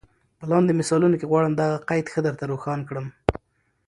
په لاندي مثالونو کي غواړم دغه قید ښه در ته روښان کړم.